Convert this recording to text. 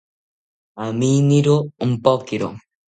Aminiro ompokiro